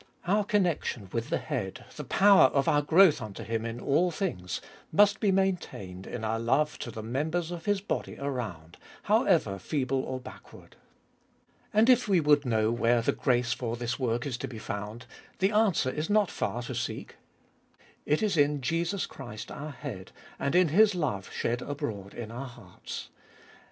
Our connection with the head, the power of our growth unto Him in all things, must be maintained in our love to the members of His body around, however feeble or backward. And if we would know where the grace for this work is to be found, the answer is not far to seek. It is in Jesus Christ our Head and in His love shed abroad in our hearts.